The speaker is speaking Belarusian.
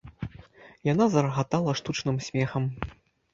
Яна зарагатала штучным смехам.